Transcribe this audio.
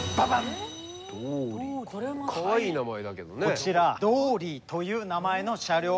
こちらドーリーという名前の車両。